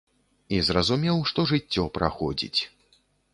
І зразумеў, што жыццё праходзіць.